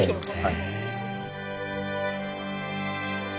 へえ。